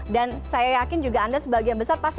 dan saya yakin juga anda sebagian besar pasti bisa